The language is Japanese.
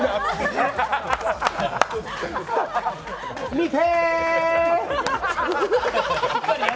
見て。